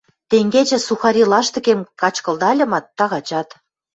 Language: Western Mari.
– Тенгечӹ сухари лаштыкем качкылдальымат, тагачат...